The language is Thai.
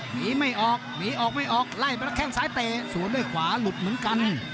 หนีไม่ออกแล้วมันหลายด้วยแข่งซ้ายแต่แล้วสวนด้วยขวาลุภเหมือนกัน